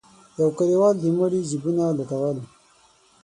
يو کليوال د مړي جيبونه لټول.